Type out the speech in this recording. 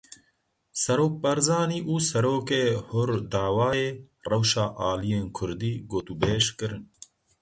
Serok Barzanî û Serokê Hur Davayê rewşa aliyên kurdî gotûbêj kirin.